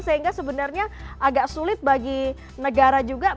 sehingga sebenarnya agak sulit bagi negara juga